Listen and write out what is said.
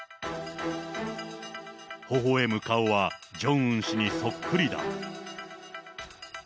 ほほえむ顔は、ジョンウン氏にそっくりだ。